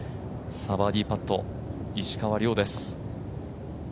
バーディーパット、石川遼です。